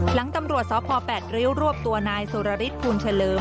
หลังตำรวจสพแปดริ้วรวบตัวนายสุรฤทธภูลเฉลิม